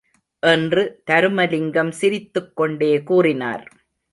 என்று தருமலிங்கம் சிரித்துக்கொண்டே கூறினார்.